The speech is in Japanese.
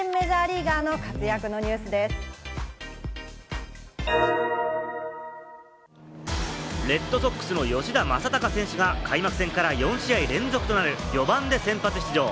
そして４位と３位は、日本人メジレッドソックスの吉田正尚選手が開幕戦から４試合連続となるよ版で４番で先発出場。